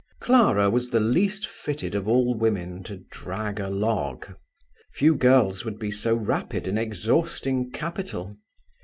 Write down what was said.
Clara was the least fitted of all women to drag a log. Few girls would be so rapid in exhausting capital.